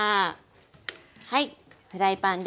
はいフライパンです。